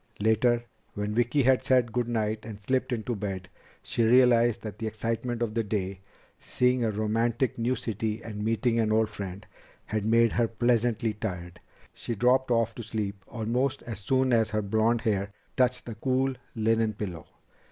Later, when Vicki had said good night and slipped into bed, she realized that the excitement of the day seeing a romantic new city and meeting an old friend had made her pleasantly tired. She dropped off to sleep almost as soon as her blond hair touched the cool linen pillow.